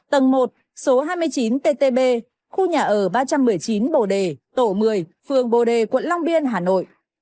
tầng một số hai mươi chín ttb khu nhà ở ba trăm một mươi chín bồ đề tổ một mươi phường bồ đề quận long biên hà nội